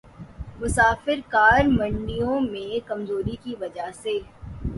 مسافر کار منڈیوں میں کمزوری کی وجہ سے